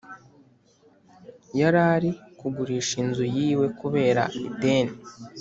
Yarari kugurisha inzu yiwe kubera ideni